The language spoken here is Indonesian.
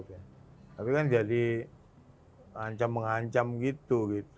tapi kan jadi ancam mengancam gitu